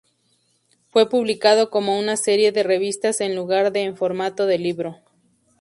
Fue publicado como una serie de revistas en lugar de en formato de libro.